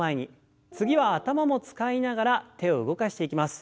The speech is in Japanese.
次は頭も使いながら手を動かしていきます。